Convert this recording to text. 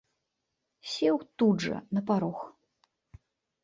Сеў тут жа на парог.